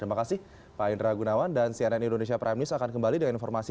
terima kasih pak indra gunawan dan cnn indonesia prime news akan kembali dengan informasi